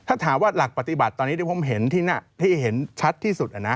ถ้าถามว่าหลักปฏิบัติตอนนี้ที่ผมเห็นที่เห็นชัดที่สุด